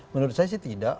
menurut saya sih tidak